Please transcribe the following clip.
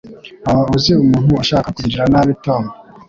Waba uzi umuntu ushaka kugirira nabi Tom?